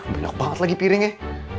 bener banget lagi piringnya